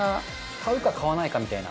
買うか買わないかみたいな。